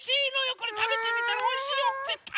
これたべてみたらおいしいよぜったい。